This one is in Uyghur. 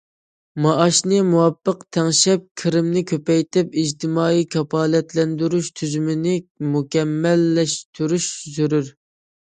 مائاشنى مۇۋاپىق تەڭشەپ، كىرىمنى كۆپەيتىپ، ئىجتىمائىي كاپالەتلەندۈرۈش تۈزۈمىنى مۇكەممەللەشتۈرۈش زۆرۈر.